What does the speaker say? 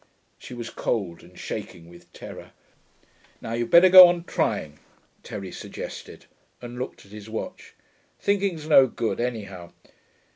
She was cold and shaking with terror. 'Now you'd better go on trying,' Terry suggested, and looked at his watch. 'Thinking's no good, anyhow....